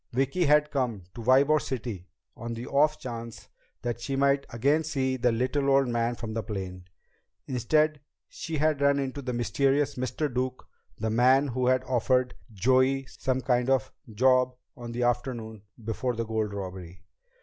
Vicki had come to Ybor City on the off chance that she might again see the little old man from the plane. Instead, she had run into the mysterious Mr. Duke, the man who had offered Joey some kind of "job" on the afternoon before the gold robbery.